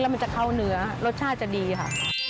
มันจะเข้าเนื้อรสชาติจะดีค่ะ